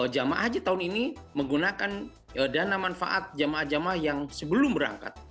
jamaah haji tahun ini menggunakan dana manfaat jamaah jamaah yang sebelum berangkat